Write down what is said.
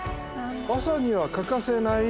朝には欠かせない。